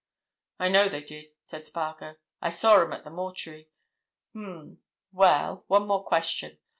"I know they did," said Spargo. "I saw 'em at the mortuary. Um! Well—one more question.